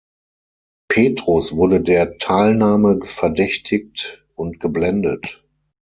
Petrus wurde der Teilnahme verdächtigt und geblendet.